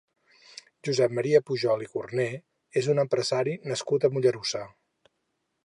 Josep Maria Pujol i Gorné és un empresari nascut a Mollerussa.